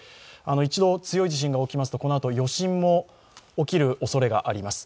一度、強い地震が起きますと、このあと余震も起きる可能性があります。